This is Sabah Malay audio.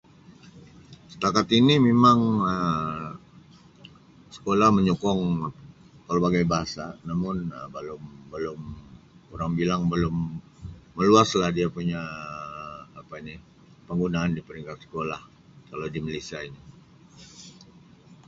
Setakat ini memang Um sekolah menyokong pelbagai bahasa namun belum belum orang bilang belum meluas lah dia punya Um apa ni penggunaan di peringkat sekolah kalau di Malaysia ini.